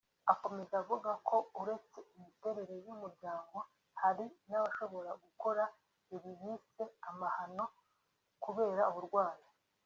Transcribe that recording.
Akomeza avuga ko uretse imiterere y’umuryango hari n’abashobora gukora ibi yise ‘amahano’ kubera uburwayi